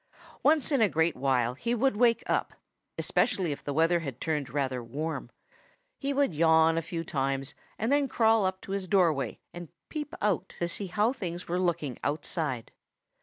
Once in a great while he would wake up, especially if the weather had turned rather warm. He would yawn a few times and then crawl up to his doorway and peep out to see how things were looking outside.